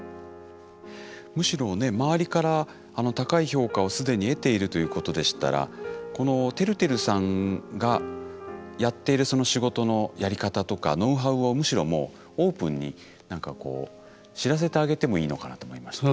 むしろね周りから高い評価を既に得ているということでしたらこのてるてるさんがやっている仕事のやり方とかノウハウをむしろもうオープンに何かこう知らせてあげてもいいのかなと思いました。